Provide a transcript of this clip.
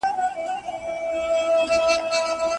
خو له خیاله په کاږه مغزي روان وي